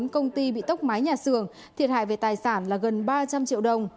bốn công ty bị tốc mái nhà xưởng thiệt hại về tài sản là gần ba trăm linh triệu đồng